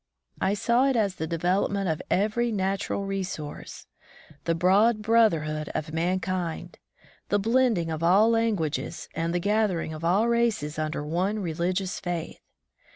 I saw it as the development of every natural re source ; the broad brotherhood of mankind ; the blending of all languages and the gather ing of all races under one religious faith.